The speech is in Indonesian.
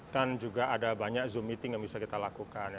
kan juga ada banyak zoom meeting yang bisa kita lakukan